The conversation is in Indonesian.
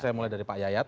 saya mulai dari pak yayat